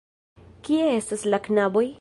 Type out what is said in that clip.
Kie estas la knaboj?